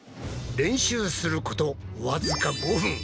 練習することわずか５分。